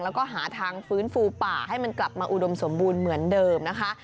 แล้วก็หาทางฟื้นฟูป่าให้มันกลับมาอุดมสมบูรณ์เหมือนเดิมนะคะ